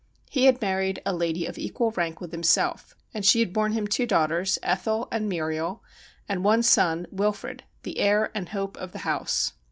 He had married a lady of equal rank with himself, and she had borne him two daughters — Ethel and Muriel ; and one son — Wilfrid — the heir and hope of the house.